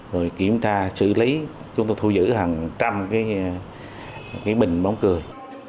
rồi kiểm tra xử lý chúng tôi thu giữ hàng trăm cái bình bóng cười